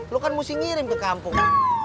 lo kan mesti ngirim ke kampung